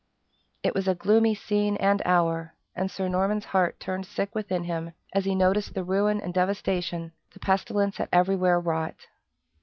It was a gloomy scene and hour, and Sir Norman's heart turned sick within him as he noticed the ruin and devastation the pestilence had everywhere wrought.